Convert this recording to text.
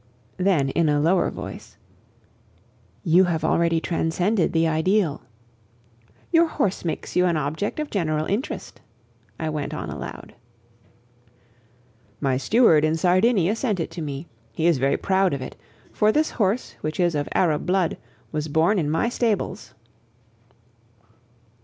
Then in a lower voice, "You have already transcended the ideal. ... Your horse makes you an object of general interest," I went on aloud. "My steward in Sardinia sent it to me. He is very proud of it; for this horse, which is of Arab blood, was born in my stables."